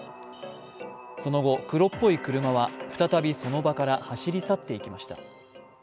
その後、黒っぽい車は再びその場から走り去っていきました。